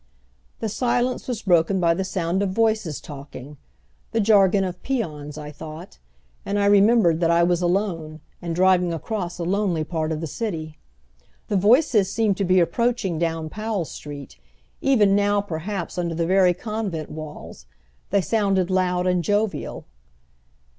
The silence was broken by the sound of voices talking the jargon of peons, I thought and I remembered that I was alone, and driving across a lonely part of the city. The voices seemed to be approaching down Powell Street, even now perhaps under the very convent walls. They sounded loud and jovial.